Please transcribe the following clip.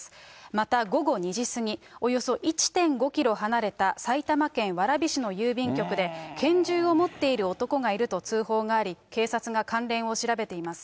また午後２時過ぎ、およそ１．５キロ離れた埼玉県蕨市の郵便局で、拳銃を持っている男がいると通報があり、警察が関連を調べています。